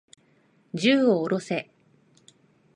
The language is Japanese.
銃を下ろせ。